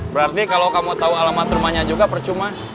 berarti kalau kamu tahu alamat rumahnya juga percuma